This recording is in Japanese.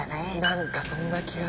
何かそんな気が。